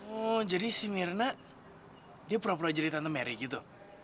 oh jadi si mirna dia pura pura jadi tante meri gitu